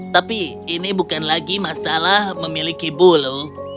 tapi ini bukan lagi masalah memiliki bulu